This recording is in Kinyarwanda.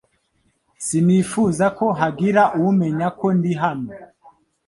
Sinifuzaga ko hagira umenya ko ndi hano.